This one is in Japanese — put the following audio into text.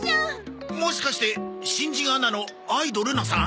もしかして新人アナの相戸ルナさん？